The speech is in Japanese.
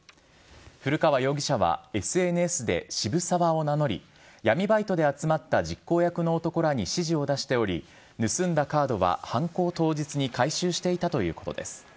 古川容疑者はＳＮＳで渋沢を名乗り闇バイトで集まった実行役の男らに指示を出しており盗んだカードは犯行当日に回収していたということです。